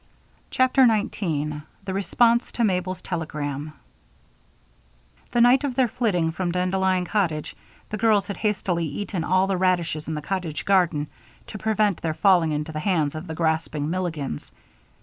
CHAPTER 19 The Response to Mabel's Telegram The night of their flitting from Dandelion Cottage, the girls had hastily eaten all the radishes in the cottage garden to prevent their falling into the hands of the grasping Milligans.